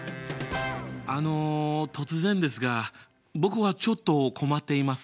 あの突然ですが僕はちょっと困っています。